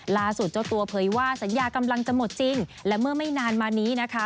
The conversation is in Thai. เจ้าตัวเผยว่าสัญญากำลังจะหมดจริงและเมื่อไม่นานมานี้นะคะ